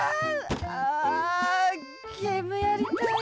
あゲームやりたいな。